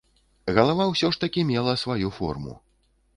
Галава ўсё ж такі мела сваю форму.